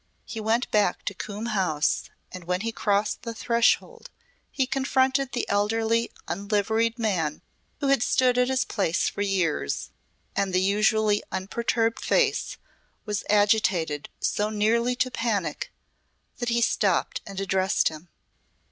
He went back to Coombe House and when he crossed the threshold he confronted the elderly unliveried man who had stood at his place for years and the usually unperturbed face was agitated so nearly to panic that he stopped and addressed him.